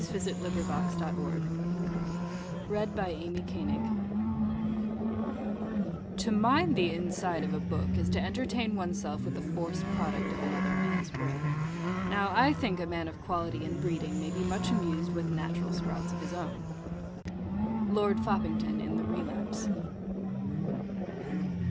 DETACHED THOUGHTS ON BOOKS AND READING To mind the inside of a book is to entertain one's self with the forced product of another man's brain. Now I think a man of quality and breeding may be much amused with the natural sprouts of his own. _Lord Foppington in the Relapse.